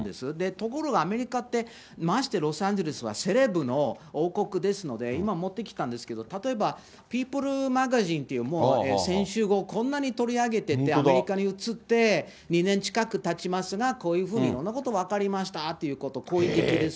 ところが、アメリカって、ましてロサンゼルスはセレブの王国ですので、今持ってきたんですけど、例えばピープルマガジンっていう、先週号、こんなに取り上げてて、アメリカに移って２年近くたちますが、こういうふうに、いろんなこと分かりましたっていうことを、好意的です。